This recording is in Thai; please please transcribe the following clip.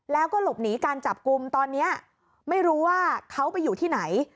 แล้วก็หลบหนีการจับกลุ่มตอนนี้ไม่รู้ว่าเขาไปอยู่ที่ไหน